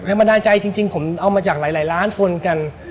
ได้แรงบันดาลใจจริงผมเอามาจากหลายร้านฟูลกัน